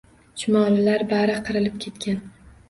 Chumolilar bari qirilib ketgan.